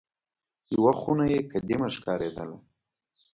یوه خونه یې قدیمه ښکارېدله.